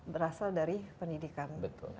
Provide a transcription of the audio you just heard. berasal dari pendidikan